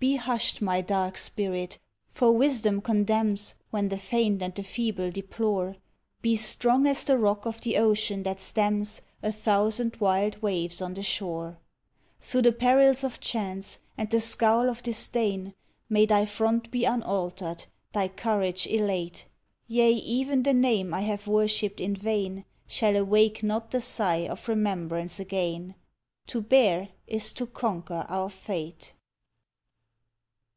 Be hush'd, my dark spirit! For wisdom condemns When the faint and the feeble deplore; Be strong as the rock of the ocean that stems A thousand wild waves on the shore! Through the perils of chance, and the scowl of disdain, May thy front be unalter'd, thy courage elate! Yea! even the name I have worshipp'd in vain Shall awake not the sigh of remembrance again: To bear is to conquer our fate.